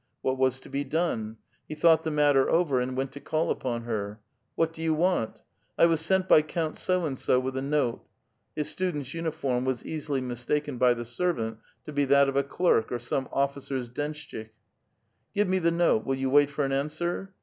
What was to be done ? He thought the matter over, and went to call upon her. *' What do 5'ou want? *'*' I was sent by Count So and so with a note." His stu dent's uniform was easily mistaken by the servant to be that of a clerk or some oflScer's densJichik. " Give me the note. Will you wait for an answer?